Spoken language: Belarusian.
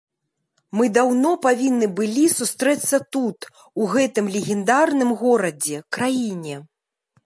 Мы даўно павінны былі сустрэцца тут, у гэтым легендарным горадзе, краіне.